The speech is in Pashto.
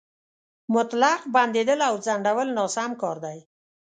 مطلق بندېدل او ځنډول ناسم کار دی.